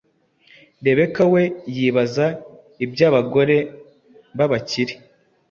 rebecca we yibaza iby'abagore b'abakire